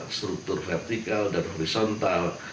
baik pada struktur vertikal dan horizontal